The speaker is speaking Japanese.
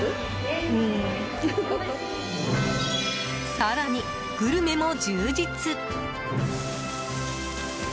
更に、グルメも充実！